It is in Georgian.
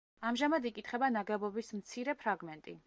ამჟამად იკითხება ნაგებობის მცირე ფრაგმენტი.